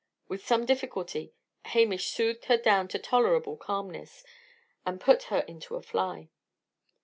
With some difficulty Hamish soothed her down to tolerable calmness, and put her into a fly.